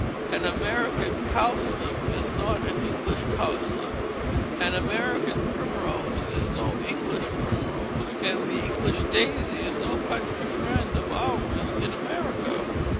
An American cowslip is not an English cowslip, an American primrose is no English primrose, and the English daisy is no country friend of ours in America.